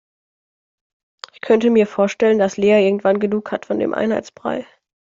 Ich könnte mir vorstellen, dass Lea irgendwann genug hat von dem Einheitsbrei.